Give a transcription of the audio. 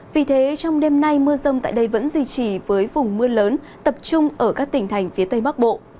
vì thế trong đêm nay mưa rông tại đây vẫn duy trì với vùng mưa lớn tập trung ở các tỉnh thành phía tây bắc bộ